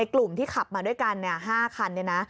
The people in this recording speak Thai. ไอ้กลุ่มที่ขับมาด้วยกัน๕คันเนี่ยนะ